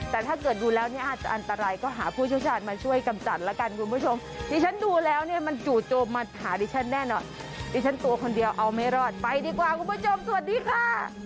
แต่ถ้าเกิดดูแล้วเนี่ยอาจจะอันตรายก็หาผู้เชี่ยวชาญมาช่วยกำจัดแล้วกันคุณผู้ชมดิฉันดูแล้วเนี่ยมันจู่โจมมาหาดิฉันแน่นอนดิฉันตัวคนเดียวเอาไม่รอดไปดีกว่าคุณผู้ชมสวัสดีค่ะ